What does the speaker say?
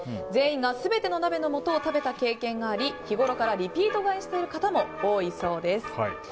全員が全ての鍋の素を食べた経験があり、日ごろからリピート買いしている方も多いそうです。